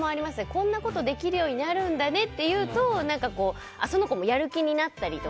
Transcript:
こんなことできるようになるんだねって言うとその子もやる気になったりとか。